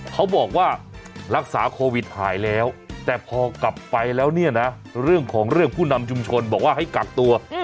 เขาบอกว่ารักษาโควิดหายแล้วแต่พอกลับไปแล้วเนี่ยนะเรื่องของเรื่องผู้นำชุมชนบอกว่าให้กักตัว